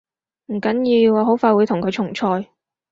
唔緊要，我好快會同佢重賽